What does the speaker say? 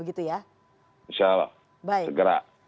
insya allah segera